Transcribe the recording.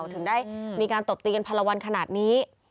ถึงได้มีการตบตีกันพันละวันขนาดนี้